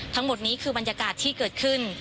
ทั้งหมดนี้คือบรรยากาศที่เกิดขึ้น